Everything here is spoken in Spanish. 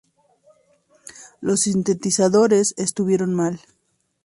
Los sintetizadores estuvieron mal.